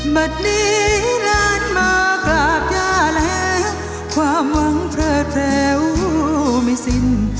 บัดนี้ล้านมากราบยาแลความหวังเพิ่อเทวไม่สิน